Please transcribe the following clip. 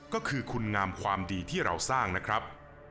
ก็คือคุณงามความดีที่เราสร้างนะครับ